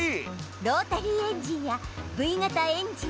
ロータリーエンジンやＶ型エンジン